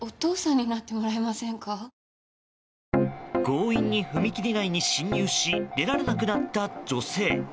強引に踏切内に進入し出られなくなった女性。